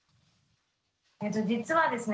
実はですね